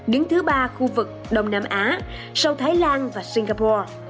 đứng thứ ba khu vực đông nam á sau thái lan và singapore